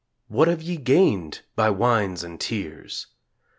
What have ye gained by whines and tears?